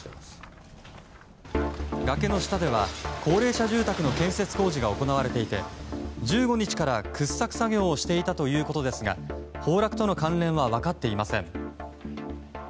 崖の下では、高齢者住宅の建設工事が行われていて１５日から掘削作業をしていたということですが崩落との関連は分かっていません。